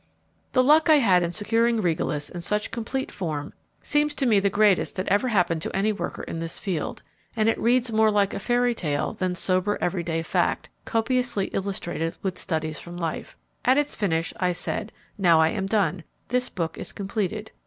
The luck I had in securing Regalis in such complete form seems to me the greatest that ever happened to any, worker in this field, and it reads more like a fairy tale than sober every day fact, copiously illustrated with studies from life. At its finish I said, "Now I am done. This book is completed."